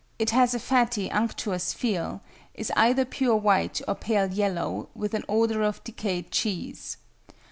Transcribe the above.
It has a fatty, unctuous feel, is either pure white or pale yellow, with an odour of decayed cheese.